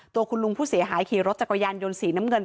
ตัวคุณลุงผู้เสียหายขี่รถจักรยานยนต์สีน้ำเงิน